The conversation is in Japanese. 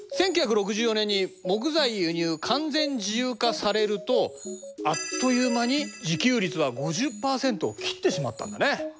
１９６４年に木材輸入完全自由化されるとあっという間に自給率は５０％を切ってしまったんだね。